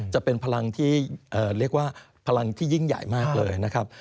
จะเป็นพลังที่เรียกว่าพลังที่ยิ่งใหญ่มากเลยนะครับ